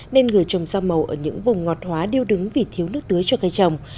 nên người trồng rau màu ở những vùng ngọt hóa điêu đứng vì thiếu nước tưới cho cây trồng